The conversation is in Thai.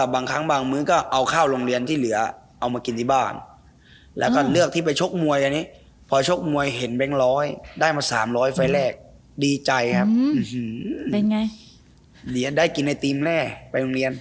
มันวางเวงเสียวหลังหน่อย